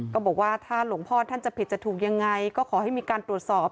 ก็บอกว่าถ้าหลวงพ่อท่านจะผิดจะถูกยังไงก็ขอให้มีการตรวจสอบ